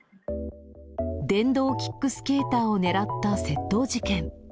電動キックスケーターを狙った窃盗事件。